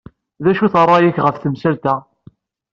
D acu-t ṛṛay-ik ɣef temsalt-a?